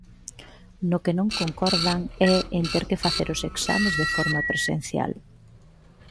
No que non concordan é en ter que facer os exames de forma presencial.